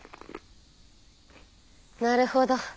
なるほど。